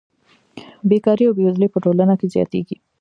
بېکاري او بېوزلي په ټولنه کې زیاتېږي